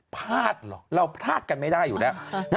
พลาดเหรอเราพลาดกันไม่ได้อยู่แล้ว